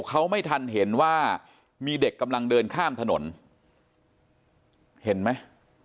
เขาไม่ทันเห็นว่ามีเด็กกำลังเดินข้ามถนนเห็นไหม